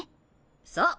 そう！